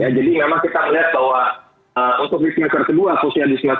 ya jadi memang kita melihat bahwa untuk di semester ke dua khususnya di sektor ke empat